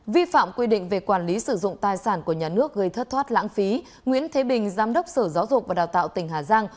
vi phạm quy định về quản lý sử dụng tài sản của nhà nước gây thất thoát lãng phí nguyễn thế bình giám đốc sở giáo dục và đào tạo tỉnh hà giang